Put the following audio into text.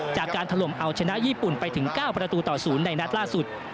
จากการถล่มเอาชนะญี่ปุ่นไปถึงเก้าประตูต่อศูนย์ในนัดล่าสุด